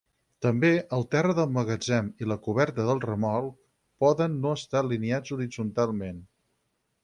També, el terra del magatzem i la coberta del remolc poden no estar alineats horitzontalment.